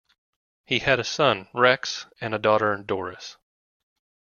He had a son, Rex and a daughter, Doris.